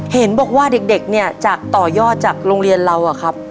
เห็นบอกว่าเด็กเนี่ยจากต่อยอดจากโรงเรียนเราอะครับ